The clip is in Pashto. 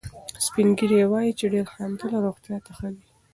سپین ږیري وایي چې ډېر خندل روغتیا ته ښه دي.